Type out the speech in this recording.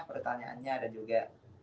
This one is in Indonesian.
pertanyaannya dan juga